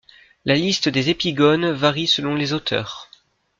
La liste des Épigones varie selon les auteurs.